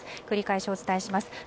繰り返しお伝えします。